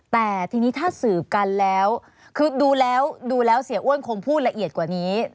แต่ทีนี้ถ้าสืบกันแล้วคือดูแล้วดูแล้วเสียอ้วนคงพูดละเอียดกว่านี้